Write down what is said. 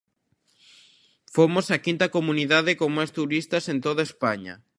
Fomos a quinta comunidade con máis turistas en toda España.